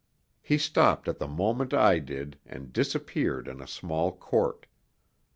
He stopped at the moment I did and disappeared in a small court.